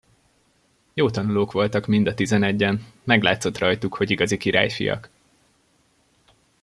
Jó tanulók voltak mind a tizenegyen, meglátszott rajtuk, hogy igazi királyfiak.